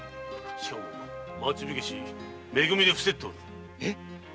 しかも町火消しの「め組」でふせっている。